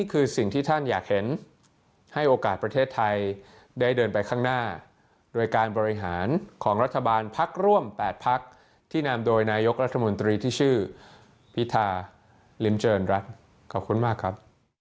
คือสิ่งที่ท่านอยากเห็นให้โอกาสประเทศไทยได้เดินไปข้างหน้าโดยการบริหารของรัฐบาลพักร่วม๘พักที่นำโดยนายกรัฐมนตรีที่ชื่อพิธาริมเจริญรัฐขอบคุณมากครับ